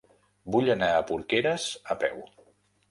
Vull anar a Porqueres a peu.